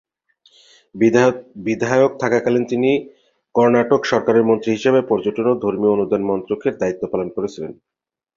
বিধায়ক থাকাকালীন তিনি কর্ণাটক সরকারের মন্ত্রী হিসাবে পর্যটন ও ধর্মীয় অনুদান মন্ত্রকের দায়িত্ব পালন করেছিলেন।